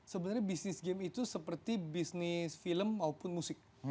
sebenarnya bisnis game itu seperti bisnis film maupun musik